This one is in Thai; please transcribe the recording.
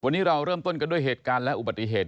วันนี้เราเริ่มต้นกันด้วยเหตุการณ์และอุบัติเหตุ